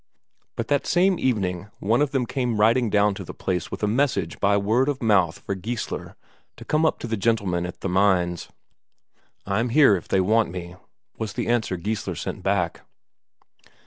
But that same evening one of them came riding down to the place with a message by word of mouth for Geissler to come up to the gentlemen at the mines. "I'm here if they want me," was the answer Geissler sent back.